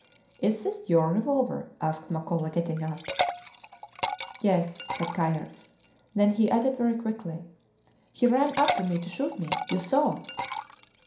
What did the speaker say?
Is this your revolver? asked Makola, getting up. Yes, said Kayerts; then he added very quickly, He ran after me to shoot me you saw!